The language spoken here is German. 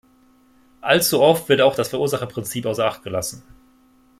Allzu oft wird auch das Verursacherprinzip außer Acht gelassen.